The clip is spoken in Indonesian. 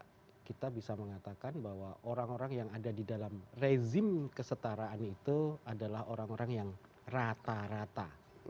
karena kita bisa mengatakan bahwa orang orang yang ada di dalam rezim kesetaraan itu adalah orang orang yang rata rata